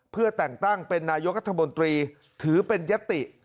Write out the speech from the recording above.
เพื่อแต่งตั้งเป็นนายกรัฐมนตรีถือเป็นยติ